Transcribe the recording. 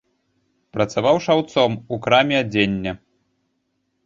Працаваў шаўцом у краме адзення.